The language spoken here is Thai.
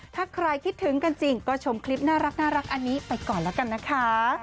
ถ้าใครคิดถึงกันจริงก็ชมคลิปน่ารักอันนี้ไปก่อนแล้วกันนะคะ